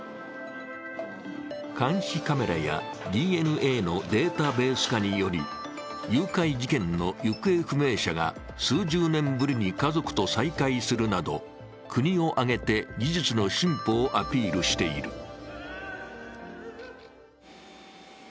監視カメラやＤＮＡのデータベース化により誘拐事件の行方不明者が数十年ぶりに家族と再会するなど国を挙げて技術の進歩をアピールしている。